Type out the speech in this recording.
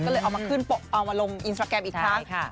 ก็เลยเอามาลงอินสตราแกรมอีกครั้ง